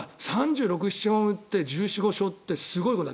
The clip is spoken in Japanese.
３６３７本打って１４１５勝ってすごいこと。